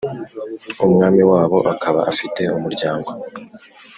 umwami wabo akaba afite umuryango